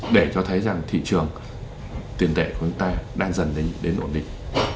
để cho thấy rằng thị trường tiền tệ của chúng ta đang dần đến ổn định